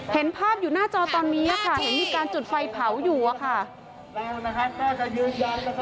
เห็นภาพอยู่หน้าจอตอนนี้ครับมีการจุดไฟเผาอยู่ครับ